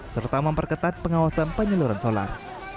serta memperketat pengawasan penyeluruhan solar